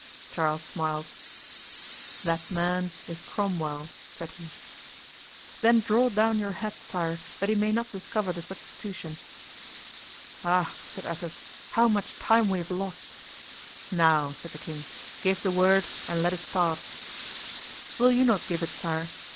Charles smiled. "That man is Cromwell," said he. "Then draw down your hat, sire, that he may not discover the substitution." "Ah!" said Athos, "how much time we have lost." "Now," said the king, "give the word and let us start." "Will you not give it, sire?"